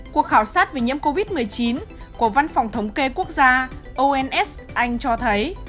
cuộc khảo sát về nhiễm covid một mươi chín của văn phòng thống kê quốc gia ons anh cho thấy